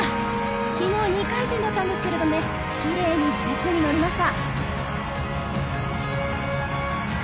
昨日２回転だったんですけれど、キレイに軸にのりました。